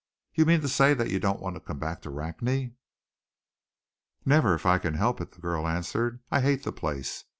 "You mean to say that you don't want to come back to Rakney?" "Never, if I can help it!" the girl answered. "I hate the place.